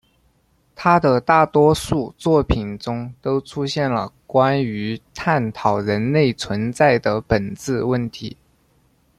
他的大多数作品中都出现了关于探讨人类存在的本质问题。